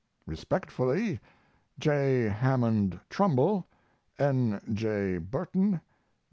Respectfully, J. HAMMOND TRUMBULL. N. J. BURTON.